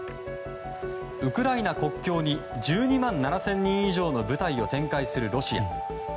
ウクライナ国境に１２万７０００人以上の部隊を展開するロシア。